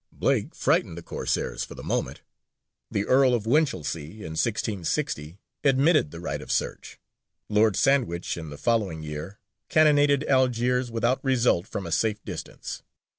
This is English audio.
Blake frightened the Corsairs for the moment. The Earl of Winchelsea, in 1660, admitted the right of search. Lord Sandwich in the following year cannonaded Algiers without result from a safe distance.